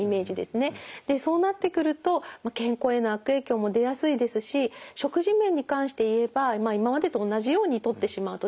そうなってくると健康への悪影響も出やすいですし食事面に関して言えば今までと同じようにとってしまうとですね